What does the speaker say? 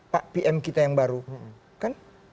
pak pm kita yang baru kan